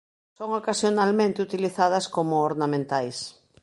Son ocasionalmente utilizadas como ornamentais.